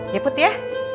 ya put ya